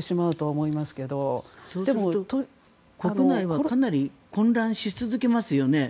そうすると、国内はかなり混乱し続けますよね。